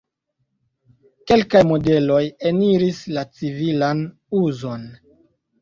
Kelkaj modeloj eniris la civilan uzon.